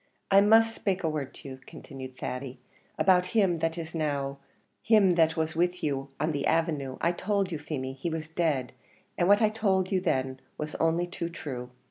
"I must spake a word to you," continued Thady, "about him that is now him that was with you on the avenue. I told you, Feemy, he was dead, and what I told you then was only too true.